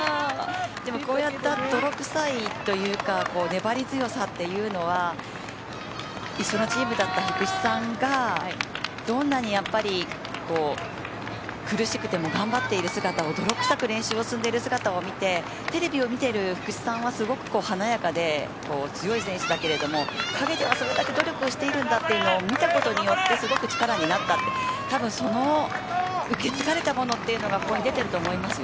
でもこういった泥くさいというか粘り強さというのは一緒のチームだった福士さんがどんなに苦しくても頑張っている姿を泥臭く練習を積んでいる姿を見てテレビで見ている福士さんはすごく華やかで強い選手だけれども影ではそれだけ努力をしてるんだというのを見たことによってすごく力になったってたぶんその受け継がれたものというのがここに出てると思いますよ。